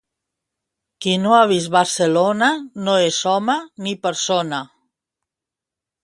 Qui no ha vist Barcelona no és home ni persona.